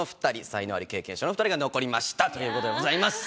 才能アリ経験者の二人が残りましたということでございます。